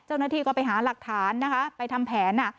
เจ้าหน้าที่ก็ไปหาหลักฐานนะคะไปทำแผน